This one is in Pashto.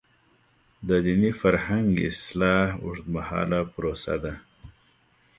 د دیني فرهنګ اصلاح اوږدمهاله پروسه ده.